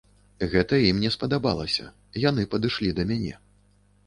Гэта ім не спадабалася, яны падышлі да мяне.